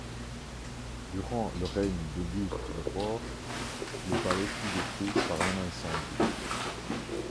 Durant le règne d'Auguste le Fort, le palais fut détruit par un incendie.